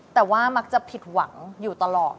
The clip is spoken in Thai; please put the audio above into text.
แต่ว่ามักจะผิดหวังอยู่ตลอด